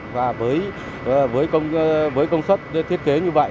và với công suất thiết kế như vậy